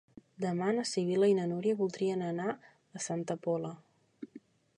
Demà na Sibil·la i na Núria voldrien anar a Santa Pola.